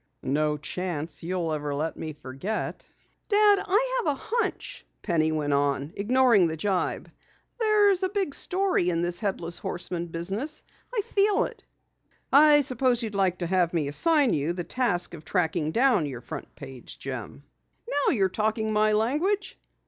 "No chance you'll ever let me forget!" "Dad, I have a hunch," Penny went on, ignoring the jibe. "There's a big story in this Headless Horseman business! I just feel it." "I suppose you'd like to have me assign you the task of tracking down your Front Page gem?" "Now you're talking my language!"